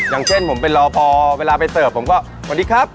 อย่างเช่นผมเป็นรอพอเวลาไปเสิร์ฟผมก็สวัสดีครับ